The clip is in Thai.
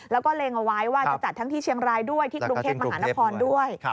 แล้วก็เล็งเอาไว้ว่าจะจัดทั้งที่เชียงรายด้วยที่กรุงเทพมหานครด้วย